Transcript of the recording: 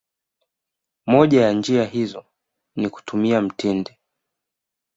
Moja ya njia hizo ni kutumia mtindi